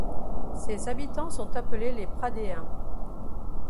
Ses habitants sont appelés les Pradéens.